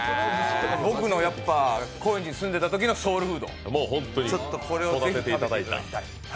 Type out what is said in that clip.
僕の高円寺に住んでたときのソウルフード、ぜひ食べていただきたい。